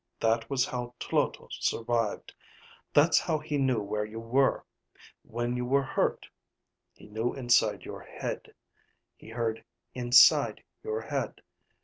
That was how Tloto survived. That's how he knew where you were, when you were hurt. He knew inside your head, he heard inside your head.